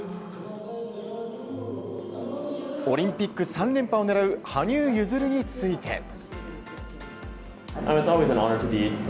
オリンピック３連覇を狙う羽生結弦について。